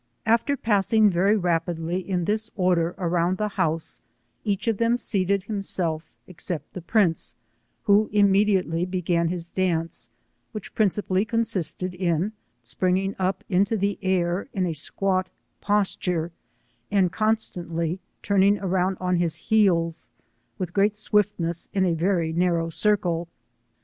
After passing very rapidJy in this order around the house, each of them seateiJ him self, except the prince, who immediately began his dance, which principally consisted in springing up into the air in a squat posture, and constantly turning around on his heels with great swiftness, in a very narrow circle.